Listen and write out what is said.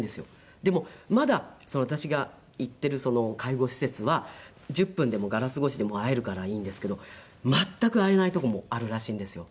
でもまだ私が行っている介護施設は１０分でもガラス越しでも会えるからいいんですけど全く会えないとこもあるらしいんですよ。